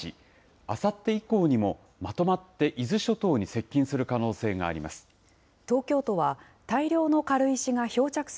あさって以降にも、まとまって伊豆諸島に接近する可能性があります。